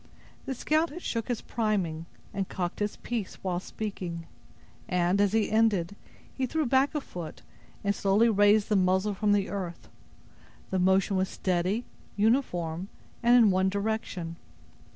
The scout had shook his priming, and cocked his piece, while speaking; and, as he ended, he threw back a foot, and slowly raised the muzzle from the earth: the motion was steady, uniform, and in one direction.